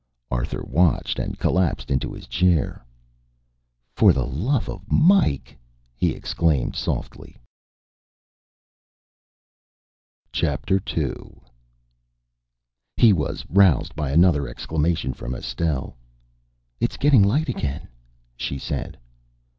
Arthur watched, and collapsed into a chair. "For the love of Mike!" he exclaimed softly. II. He was roused by another exclamation from Estelle. "It's getting light again," she said.